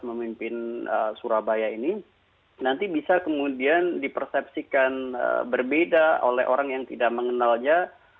memimpin surabaya ini nanti bisa kemudian dipersepsikan berbeda oleh orang yang tidak mengenalnya